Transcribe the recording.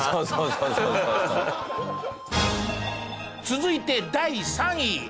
続いて第３位。